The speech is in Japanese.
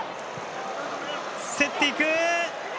競っていく。